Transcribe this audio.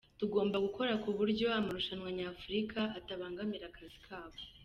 Tugoba gukora kuburyo amarushanwa nyafurika atabangamira akazi kabo".